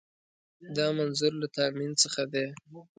دا منظور له تامین څخه دی.